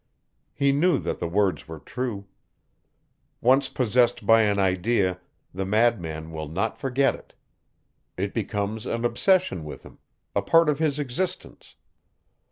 He knew that the words were true. Once possessed by an idea the madman will not forget it. It becomes an obsession with him a part of his existence.